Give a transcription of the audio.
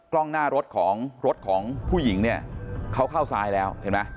กล้องหน้ารถของพ่อหญิงเข้าซ้ายแล้ว